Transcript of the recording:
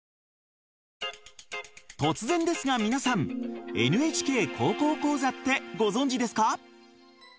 突然ですが皆さん「ＮＨＫ高校講座」ってご存じですか？